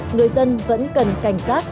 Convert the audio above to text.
người dân vẫn cần cảnh sát